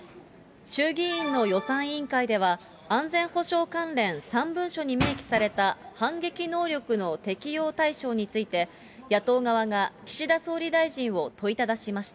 衆議院の予算委員会では、安全保障関連３文書に明記された反撃能力の適用対象について、野党側が岸田総理大臣を問いただしました。